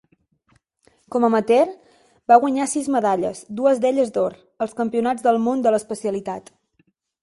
Com amateur, va guanyar sis medalles, dues d'elles d'or, als Campionats del món de l'especialitat.